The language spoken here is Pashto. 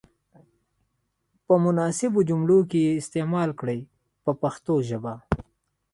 په مناسبو جملو کې یې استعمال کړئ په پښتو ژبه.